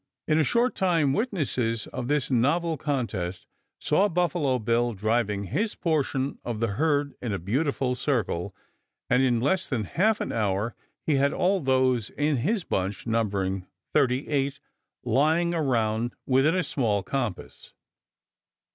In a short time witnesses of this novel contest saw Buffalo Bill driving his portion of the herd in a beautiful circle, and in less than half an hour he had all those in his bunch numbering thirty eight, lying around within a very small compass.